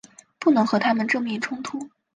不能和他们正面冲突